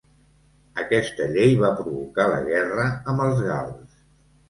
Aquesta llei va provocar la guerra amb els gals.